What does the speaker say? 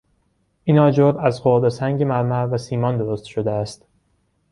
این آجر از خرده سنگ مرمر و سیمان درست شده است.